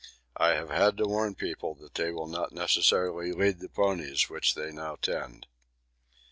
I have had to warn people that they will not necessarily lead the ponies which they now tend.